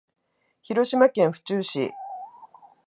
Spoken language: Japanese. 広島県府中市